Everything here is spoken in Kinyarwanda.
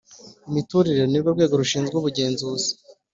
Imiturire ni rwo rwego rushinzwe ubugenzuzi .